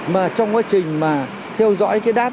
mà trong quá trình mà theo dõi cái đát